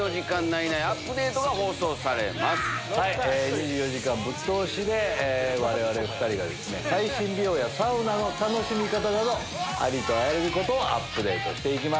２４時間ぶっ通しで我々２人が最新美容やサウナの楽しみ方などありとあらゆることをアップデートしていきます。